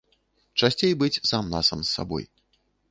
Часцей быць сам-насам з сабой.